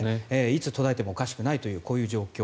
いつ途絶えてもおかしくないという状況